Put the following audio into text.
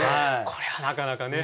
これはなかなかね。